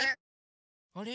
あれ？